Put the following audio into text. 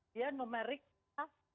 dia numerik a satu